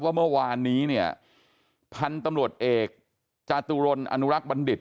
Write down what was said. ว่าเมื่อวานนี้เนี่ยพันธุ์ตำรวจเอกจาตุรนอนุรักษ์บัณฑิต